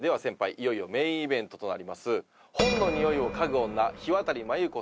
いよいよメインイベントとなります。